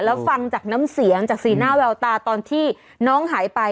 แล้วฟังจากน้ำเสียงจากสีหน้าแววตาตอนที่น้องหายไป